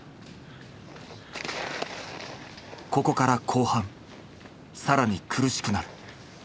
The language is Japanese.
ここから後半更に苦しくなる。